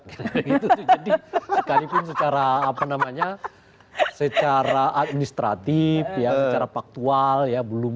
jadi sekalipun secara apa namanya secara administratif ya secara faktual ya belum